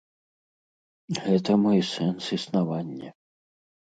Гэта мой сэнс існавання.